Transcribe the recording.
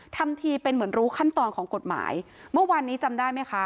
ทำทีเป็นเหมือนรู้ขั้นตอนของกฎหมายเมื่อวานนี้จำได้ไหมคะ